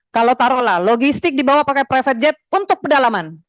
kalau taruhlah logistik dibawa pakai private jet untuk pedalaman